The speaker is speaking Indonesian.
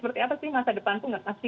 seperti apa sih masa depanku nggak pasti